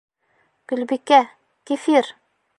Гөлбикә, кефир!